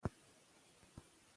انګریزان د جګړې ډګر ته را دانګلي.